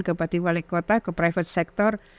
ke bupati wali kota ke private sector